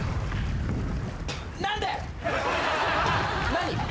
何？